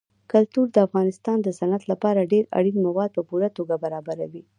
کلتور د افغانستان د صنعت لپاره ډېر اړین مواد په پوره توګه برابروي.